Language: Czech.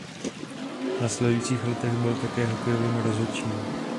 V následujících letech byl také hokejovým rozhodčím.